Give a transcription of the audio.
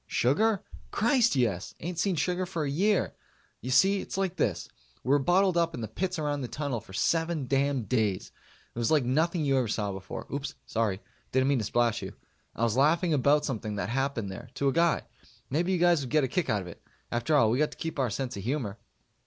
Sugar? Christ, yes! Ain't seen sugar for a year. You see, it's like this: we were bottled up in the pits around the Tunnel for seven damn days. It was like nothing you ever saw before. Oops sorry. Didn't mean to splash you. I was laughing about something that happened there to a guy. Maybe you guys would get a kick out of it. After all, we got to keep our sense of humor.